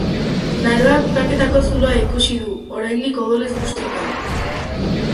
Naroak praketako zuloa ikusi du, oraindik odolez bustita.